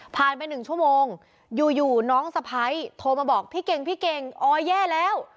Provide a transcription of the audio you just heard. ไป๑ชั่วโมงอยู่น้องสะพ้ายโทรมาบอกพี่เก่งพี่เก่งออยแย่แล้ว